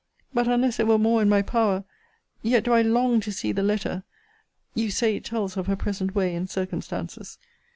But unless it were more in my power Yet do I long to see the letter you say it tells of her present way and circumstances.